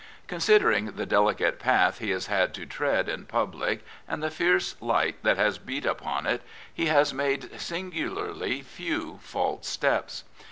Considering the delicate path he has had to tread in public and the fierce light that has beat upon it, he has made singularly few false steps.